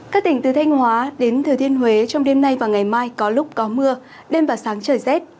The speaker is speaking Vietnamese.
các tỉnh từ thanh hóa đến thừa thiên huế trong đêm nay và ngày mai có lúc có mưa đêm và sáng trời rét